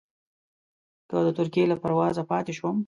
که د ترکیې له پروازه پاتې شوم.